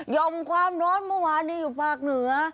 ่อมความร้อนเมื่อวานนี้อยู่ภาคเหนือ